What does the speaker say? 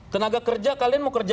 tenaga kerja kalian mau kerja